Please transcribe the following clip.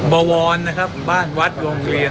บวรนะครับบ้านวัดโรงเรียน